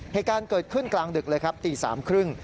เหตุการณ์เกิดขึ้นกลางดึกเลยครับตี๓๓๐